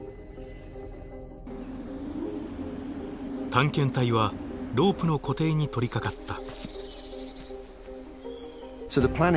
探検隊はロープの固定に取りかかった。